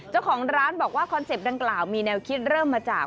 เจ้าของร้านบอกว่าคอนเซ็ปต์ดังกล่าวมีแนวคิดเริ่มมาจาก